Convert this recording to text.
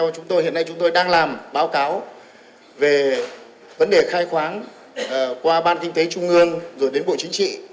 chúng tôi đang làm báo cáo về vấn đề khai khoáng qua ban kinh tế trung ương rồi đến bộ chính trị